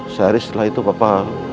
sehari setelah itu papa